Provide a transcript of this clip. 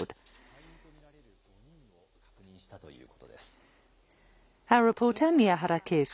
また隊員と見られる５人を確認したということです。